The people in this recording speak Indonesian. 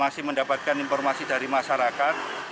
masih mendapatkan informasi dari masyarakat